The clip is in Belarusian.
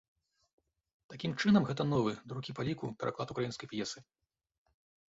Такім чынам, гэта новы, другі па ліку пераклад украінскай п'есы.